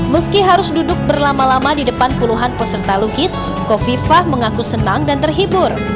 meski harus duduk berlama lama di depan puluhan peserta lukis kofifah mengaku senang dan terhibur